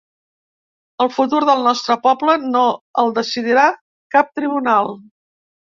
El futur del nostre poble no el decidirà cap tribunal.